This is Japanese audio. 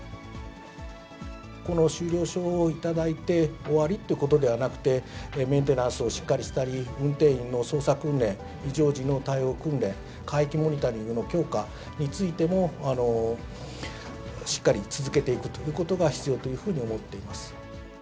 この終了証を頂いて終わりってことではなくて、メンテナンスをしっかりしたり、運転員の操作訓練、異常時の対応訓練、海域モニタリングの強化についても、しっかり続けていくということが必要というふうに思っております。